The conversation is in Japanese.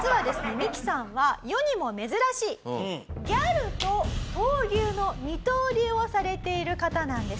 ミキさんは世にも珍しいギャルと闘牛の二刀流をされている方なんです。